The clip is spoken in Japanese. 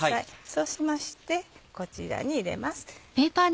そうしましてこちらに入れます。